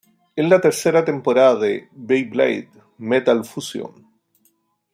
Es la tercera temporada de "Beyblade: Metal Fusion".